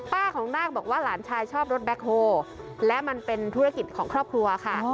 ของนาคบอกว่าหลานชายชอบรถแบ็คโฮและมันเป็นธุรกิจของครอบครัวค่ะ